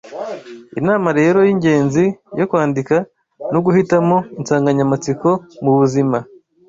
inama rero yingenzi yo kwandika n’uguhitamo insanganyamatsiko mubuzima